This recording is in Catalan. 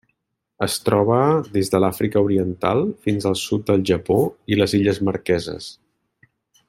Es troba des de l'Àfrica Oriental fins al sud del Japó i les illes Marqueses.